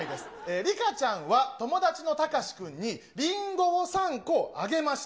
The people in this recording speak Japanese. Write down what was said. りかちゃんは友達のたかし君に、リンゴを３個あげました。